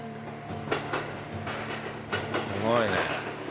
すごいね。